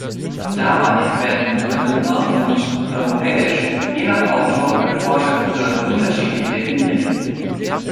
Dabei werden "Europa" und "europäisch" je nach Autor oder Forschergruppe unterschiedlich definiert.